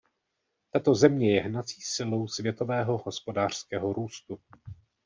Tato země je hnací silou světového hospodářského růstu.